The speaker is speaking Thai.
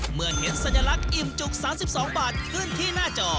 เมื่อเห็นสัญลักษณ์อิ่มจุก๓๒บาทขึ้นที่หน้าจอ